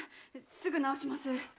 すぐ直します。